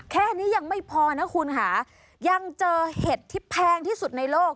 แค่นี้ยังไม่พอนะคุณค่ะยังเจอเห็ดที่แพงที่สุดในโลก